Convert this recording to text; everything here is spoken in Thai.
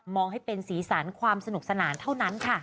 ให้เป็นสีสันความสนุกสนานเท่านั้นค่ะ